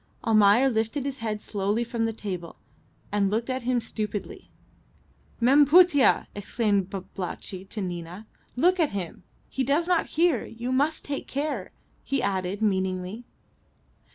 Almayer lifted his head slowly from the table, and looked at him stupidly. "Mem Putih!" exclaimed Babalatchi to Nina, "look at him. He does not hear. You must take care," he added meaningly.